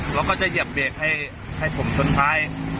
แล้วก็จะเหยียบเบียกให้ให้ผมสุดท้าย